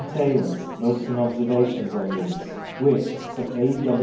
Taylor's " Notes and Observations" on these, which Sir A.